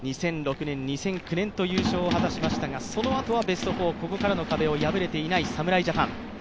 ２００６年、２００９年と優勝を果たしましたが、そのあとはベスト４ここからの壁を破れていない侍ジャパン。